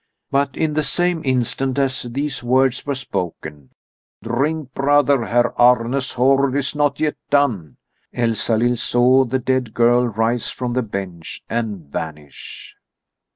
But in the same instant as these words were spoken: "Drink, brother! Herr Arne's hoard is not yet done," Elsalill saw the dead girl rise from the bench and vanish.